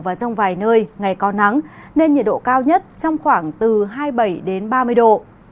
và rông vài nơi ngày có nắng nên nhiệt độ cao nhất trong khoảng từ hai mươi bảy đến ba mươi độ